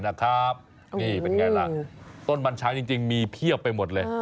นี่เป็นไงล่ะต้นมันช้างจริงมีเพียบไปหมดเลย